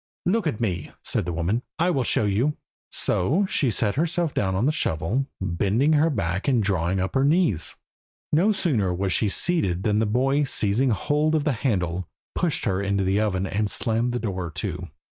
"Look at me," said the woman, "I will show you." So she sat herself down on the shovel, bending her back and drawing up her knees. No sooner was she seated than the boy, seizing hold of the handle, pushed her into the oven and slammed the door to.